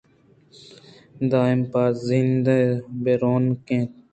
دائم بے زند ءُ بے رونق اَنت